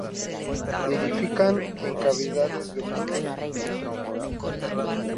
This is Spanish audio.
Nidifican en cavidades de muros y troncos.